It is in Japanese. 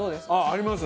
あります。